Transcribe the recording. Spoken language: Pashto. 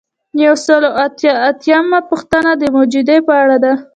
یو سل او اته اتیایمه پوښتنه د موجودیې په اړه ده.